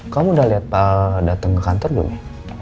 kamu udah lihat pak al datang ke kantor dulu ya